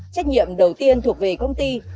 trách nhiệm đầu tiên thuộc về công ty